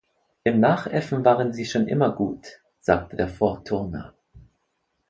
Im nachäffen waren sie schon immer gut, sagte der Vorturner.